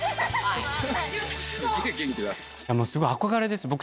すごい憧れです僕。